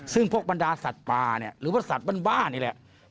ซึ่งพวกบัลดาสัตว์ปลาหรือว่าสัตว์บ้านเอง